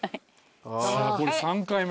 これ３回目。